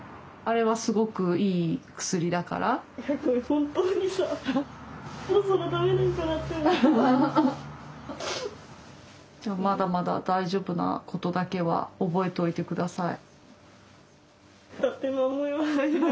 本当にさまだまだ大丈夫なことだけは覚えといて下さい。